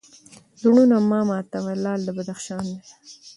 زړونه مه ماتوه لعل د بدخشان دی